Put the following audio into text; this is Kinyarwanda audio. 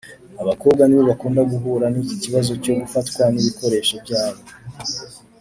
abakobwa nibo bakunda guhura n’iki kibazo cyo gufatwa nk’ibikoresho byabo.